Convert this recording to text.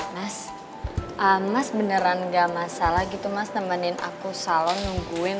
mas mas beneran gak masalah gitu mas nemenin aku salon nungguin